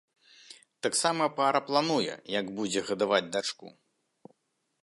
Таксама пара плануе, як будзе гадаваць дачку.